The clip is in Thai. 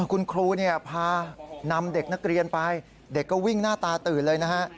คุณครูพานำเด็กนักเรียนไปเด็กก็วิ่งหน้าตาตื่นเลยนะฮะ